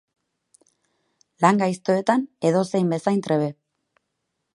Lan gaiztoetan edozein bezain trebe.